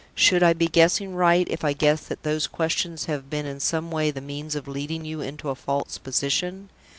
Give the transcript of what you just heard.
Should I be guessing right if I guessed that those questions have been in some way the means of leading you into a false position?